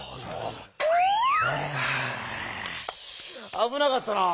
あぶなかったなぁ。